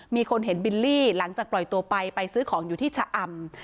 มีคนเห็นบิลลี่หลังจากปล่อยตัวไปไปซื้อของอยู่ที่ชะอำ